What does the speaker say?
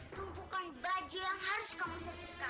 tumpukan baju yang harus kamu sebutkan